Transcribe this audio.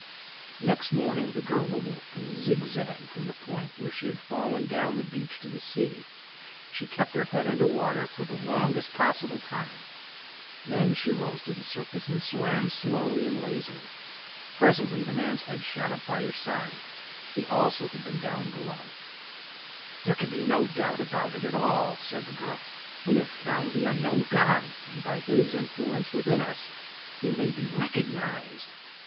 Next morning the girl awoke and zigzagged from the point where she had fallen down the beach to the sea. She kept her head under water for the longest possible time. Then she rose to the sur face and swam slowly and lazily. Presently the man's head shot up by her side. He also had been down below. " There can be no doubt about it at all," said the girl. " We have found the unknown god, and by his influence within us he may be recognized."